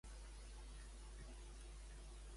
La independència per quan?